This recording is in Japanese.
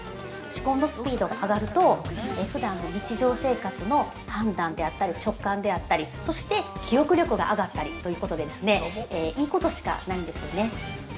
思考のスピードが上がると、ふだんの日常生活の判断であったり直感であったりそして記憶力が上がったりということで、いい事しかないんですよね。